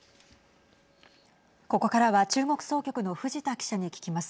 ここからは中国総局の藤田記者に聞きます。